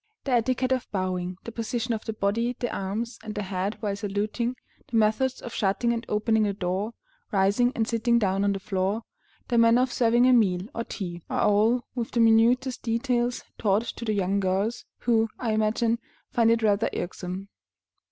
The etiquette of bowing, the position of the body, the arms, and the head while saluting, the methods of shutting and opening the door, rising and sitting down on the floor, the manner of serving a meal, or tea, are all, with the minutest details, taught to the young girls, who, I imagine, find it rather irksome.